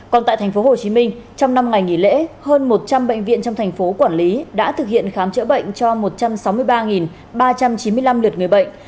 còn tại tp hcm trong năm ngày nghỉ lễ hơn một trăm linh bệnh viện trong tp hcm đã thực hiện khám chữa bệnh cho một trăm sáu mươi ba ba trăm chín mươi năm lượt người bệnh